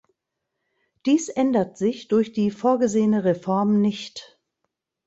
Dies ändert sich durch die vorgesehene Reform nicht.